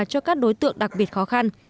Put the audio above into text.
cho các đối tượng đặc biệt khó khăn